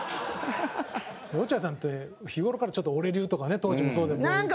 落合さんって、日頃からちょっと、俺流とかね当時もそうだけど。